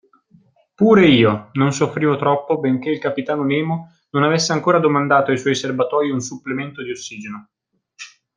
Pure io non soffrivo troppo benché il capitano Nemo non avesse ancora domandato ai suoi serbatoi un supplemento di ossigeno.